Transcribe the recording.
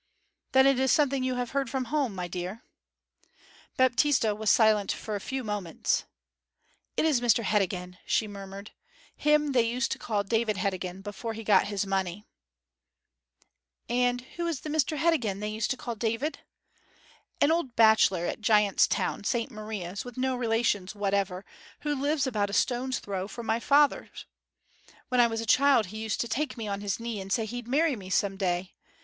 'Then it is something you have heard from home, my dear.' Baptista was silent for a few moments. 'It is Mr Heddegan,' she murmured. 'Him they used to call David Heddegan before he got his money.' 'And who is the Mr Heddegan they used to call David?' 'An old bachelor at Giant's Town, St Maria's, with no relations whatever, who lives about a stone's throw from father's. When I was a child he used to take me on his knee and say he'd marry me some day.